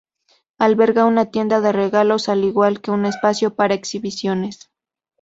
Alberga una tienda de regalos al igual que un espacio para exhibiciones.